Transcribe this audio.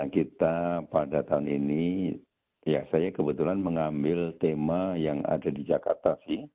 kita pada tahun ini ya saya kebetulan mengambil tema yang ada di jakarta sih